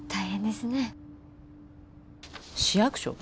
市役所？